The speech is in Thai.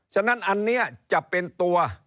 ฉะนั้นอันนี้จะเป็นตัว